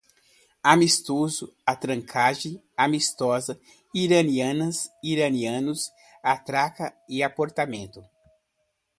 Amistoso, atracagem, amistosa, iranianas, iranianos, atraca, aportamento